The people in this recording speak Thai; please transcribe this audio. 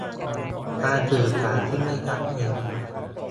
การสื่อสารที่ไม่ชัดเจน